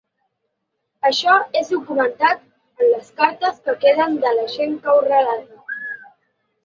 Això és documentat en les cartes que queden de la gent que ho relata.